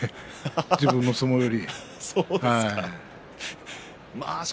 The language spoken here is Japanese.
自分の相撲より。